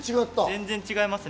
全然違いますね。